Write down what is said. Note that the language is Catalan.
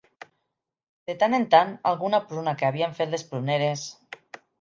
De tant en tant alguna pruna que havien fet les pruneres